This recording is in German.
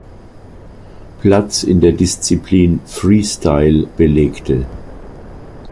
Platz in der Disziplin Freestyle belegte.